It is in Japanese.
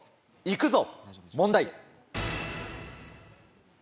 行くぞ問題。